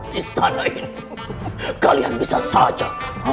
di istana ini kalian bisa saja